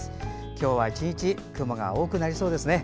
今日は１日雲が多くなりそうですね。